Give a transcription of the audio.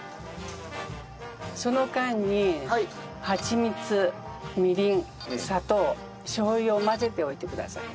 その間にハチミツみりん砂糖しょう油を混ぜておいてください。